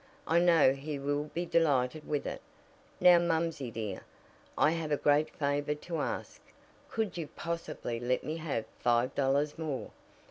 I know he will be delighted with it. Now, mumsey, dear, I have a great favor to ask. Could you possibly let me have five dollars more?